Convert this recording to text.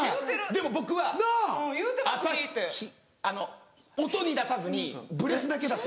でも僕は「あさひ」音に出さずにブレスだけ出す。